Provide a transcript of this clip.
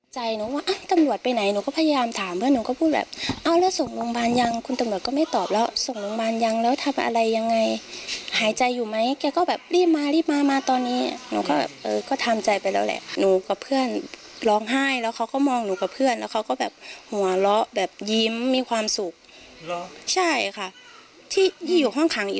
ใจหนูว่าตำรวจไปไหนหนูก็พยายามถามเพื่อนหนูก็พูดแบบเอ้าแล้วส่งโรงพยาบาลยังคุณตำรวจก็ไม่ตอบแล้วส่งโรงพยาบาลยังแล้วทำอะไรยังไงหายใจอยู่ไหมแกก็แบบรีบมารีบมามาตอนนี้หนูก็แบบเออก็ทำใจไปแล้วแหละหนูกับเพื่อนร้องไห้แล้วเขาก็มองหนูกับเพื่อนแล้วเขาก็แบบหัวเราะแบบยิ้มมีความสุขเหรอใช่ค่ะที่ที่อยู่ห้องขังอีก